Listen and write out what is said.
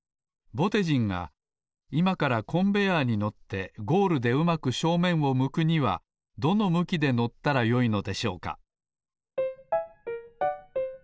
ぼてじんがいまからコンベヤーに乗ってゴールでうまく正面を向くにはどの向きで乗ったらよいのでしょうか？